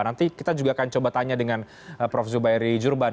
nanti kita juga akan coba tanya dengan prof zubairi jurban